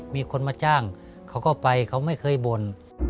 มีคนมาจ้างเขาก็ไปเขาไม่เคยบ่น